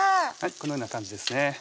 このような感じですね